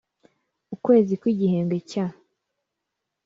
ukwezi kwa kw igihembwe cya